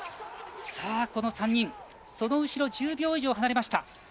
この３人の後ろ１０秒以上離れました。